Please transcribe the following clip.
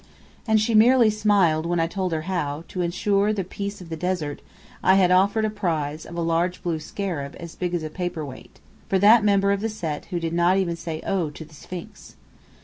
And she merely smiled when I told her how, to insure the peace of the desert, I had offered a prize of a large blue scarab as big as a paperweight, for that member of the Set who did not even say "Oh!" to the Sphinx.